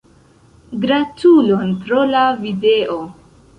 Gratulon pro la video.